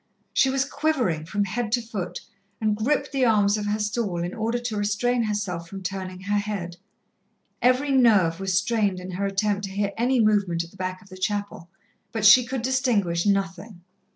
She was quivering from head to foot, and gripped the arms of her stall in order to restrain herself from turning her head. Every nerve was strained in her attempt to hear any movement at the back of the chapel, but she could distinguish nothing.